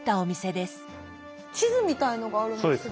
地図みたいのがあるんですけど。